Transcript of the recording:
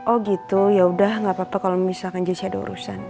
oh gitu yaudah gak apa apa kalau misalkan jessi ada urusan